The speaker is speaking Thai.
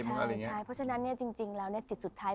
ใช่เพราะฉะนั้นจริงแล้วจิตสุดท้าย